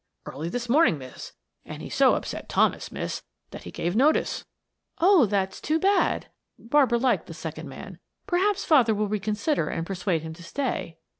"Early this morning, miss; and he so upset Thomas, miss, that he gave notice." "Oh, that's too bad." Barbara liked the second man. "Perhaps father will reconsider and persuade him to stay."